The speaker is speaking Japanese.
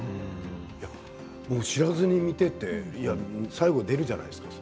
知らずに見ていて最後、出るじゃないですか